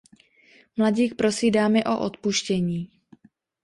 Mladík prosí dámy o odpuštění.